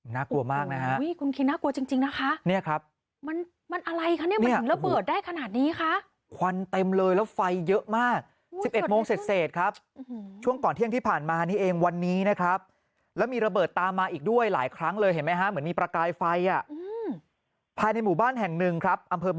น่ากลัวมากนะครับคุณคิณน่ากลัวจริงจริงนะครับ